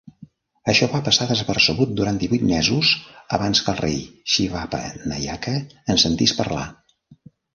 Això va passar desapercebut durant divuit mesos abans que el rei Shivappa Nayaka en sentís parlar.